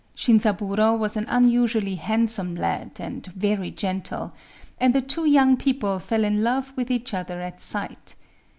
Shinzaburō was an unusually handsome lad, and very gentle; and the two young people fell in love with each other at sight.